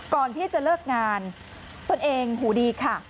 ก่อนที่จะเลิกงานตนเองหูดีค่ะ